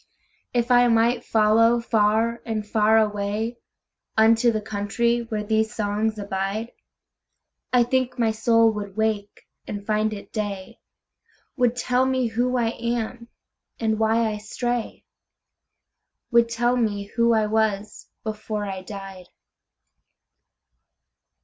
If I might follow far and far awayUnto the country where these songs abide,I think my soul would wake and find it day, Would tell me who I am, and why I stray,—Would tell me who I was before I died.